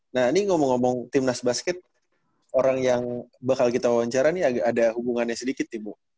nah ini ngomong ngomong tim nas basket orang yang bakal kita wawancara nih ada hubungannya sedikit nih bu